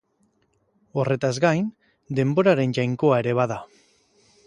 Horretaz gain, denboraren jainkoa ere bada.